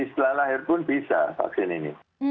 setelah lahir pun bisa vaksin ini